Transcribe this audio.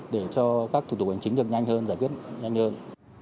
để cho các thủ tục hành chính được nhanh hơn giải quyết nhanh hơn